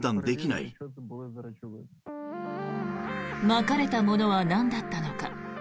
まかれたものはなんだったのか。